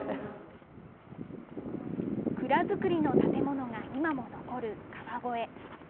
蔵造りの建物が今も残る川越。